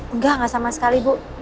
enggak enggak sama sekali bu